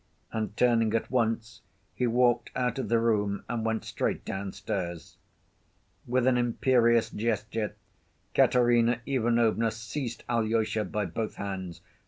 And turning at once, he walked out of the room and went straight downstairs. With an imperious gesture, Katerina Ivanovna seized Alyosha by both hands.